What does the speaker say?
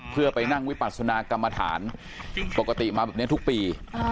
เพื่อไปนั่งวิปัสนากรรมฐานปกติมาแบบนี้ทุกปี